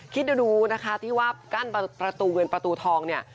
คิดดูนะคะที่ว่ากั้นประตูเงินประตูทองเนี่ย